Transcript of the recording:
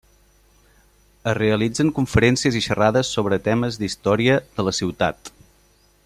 Es realitzen conferències i xerrades sobre temes d'història de la ciutat.